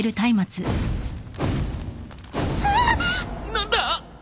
何だ！？